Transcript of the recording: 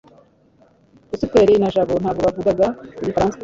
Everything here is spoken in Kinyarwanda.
rusufero na jabo ntabwo bavugaga igifaransa